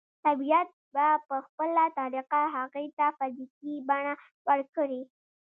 طبيعت به په خپله طريقه هغې ته فزيکي بڼه ورکړي.